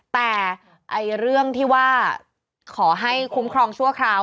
แต่เรื่องที่ว่าขอให้คุ้มครองชั่วคราว